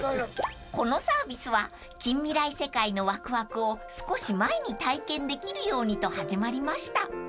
［このサービスは近未来世界のワクワクを少し前に体験できるようにと始まりました］